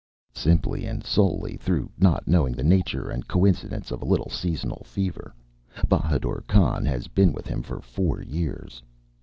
"Simply and solely through not knowing the nature and coincidence of a little seasonal fever. Bahadur Khan has been with him for four years."